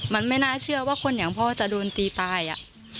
มันไม่น่าเชื่อว่าคนอย่างพ่อจะโดนตีตายอ่ะ